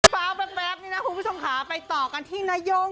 ฟ้าแป๊บนี่นะคุณผู้ชมค่ะไปต่อกันที่นาย่ง